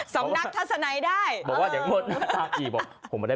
สำนักถสานัยได้